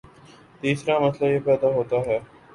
تیسرامسئلہ یہ پیدا ہوتا ہے